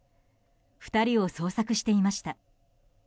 ２人を捜索していました。